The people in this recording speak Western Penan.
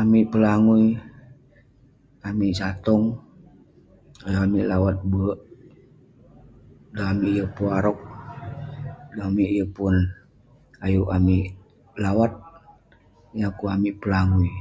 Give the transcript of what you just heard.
Amik pelagui amik satong um amik lawat bek dan amik yeng pun aroung dan amik yeng pun ayuk amik lawat ineh pukuk amik pelagui